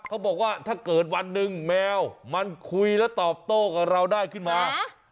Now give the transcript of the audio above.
เขาบอกว่าถ้าเกิดวันหนึ่งแมวมันคุยแล้วตอบโต้กับเราได้ขึ้นมา